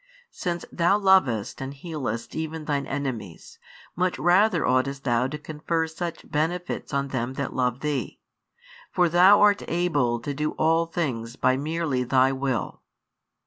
Since Thou lovest and healest even Thine enemies, much rather oughtest Thou to confer such benefits on them that love Thee. For Thou art able to do all things by merely Thy Will.